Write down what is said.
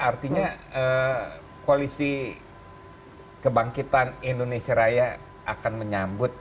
artinya koalisi kebangkitan indonesia raya akan menyambut